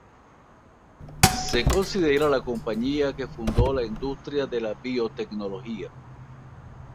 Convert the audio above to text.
Se considera la compañía que fundó la industria de la biotecnología.